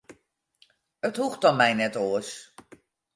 It hoecht om my net oars.